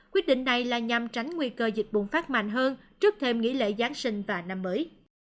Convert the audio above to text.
quyết định này là nhằm tránh nguy cơ dịch bùng phát mạnh hơn trước thêm nghỉ lễ giáng sinh và năm mới